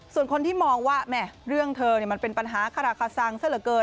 ส่วนคนที่มองว่าแม่เรื่องเธอมันเป็นปัญหาคาราคาซังซะเหลือเกิน